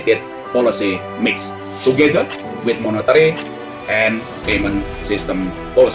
bersama dengan polisi moneteri dan sistem uang